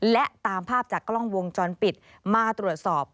และตามภาพจากกล้องวงจรปิดมาตรวจสอบ